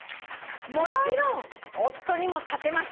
「もちろん夫にも勝てますよ」